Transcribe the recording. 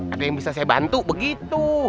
ada yang bisa saya bantu begitu